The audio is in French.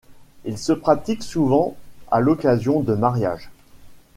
Il se pratique souvent à l'occasion de mariages.